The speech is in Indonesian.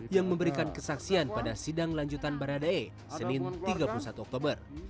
yang memberikan kesaksian pada sidang lanjutan baradae senin tiga puluh satu oktober